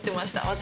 私。